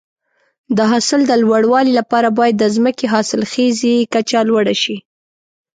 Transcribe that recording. د حاصل د لوړوالي لپاره باید د ځمکې حاصلخیزي کچه لوړه شي.